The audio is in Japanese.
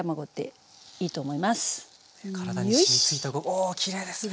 おおきれいですね。